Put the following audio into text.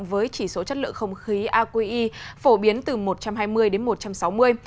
với chỉ số chất lượng không khí aqi phổ biến từ một trăm hai mươi đến một trăm sáu mươi